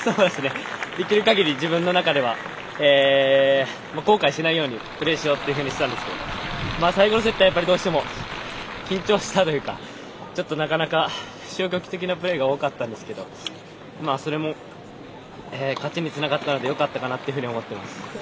できるかぎり自分の中では後悔しないようにプレーしようっていうふうにしてたんですけど最後のセット、やっぱりどうしても緊張したというかちょっとなかなか消極的なプレーが多かったんですけどそれも勝ちにつながったのでよかったかなっていうふうに思ってます。